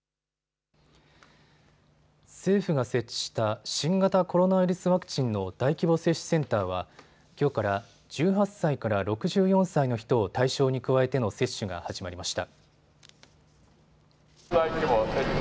政府が設置した新型コロナウイルスワクチンの大規模接種センターはきょうから１８歳から６４歳の人を対象に加えての接種が始まりました。